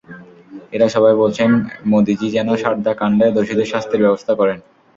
এঁরা সবাই বলছেন, মোদিজি যেন সারদা কাণ্ডে দোষীদের শাস্তির ব্যবস্থা করেন।